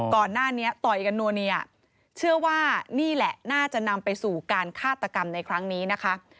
ก่อนหน้านี้ต่อยกันนัวเนียเชื่อว่านี่แหละน่าจะนำไปสู่การฆาตกรรมในครั้งนี้นะคะ